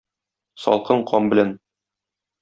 Салкын кан белән.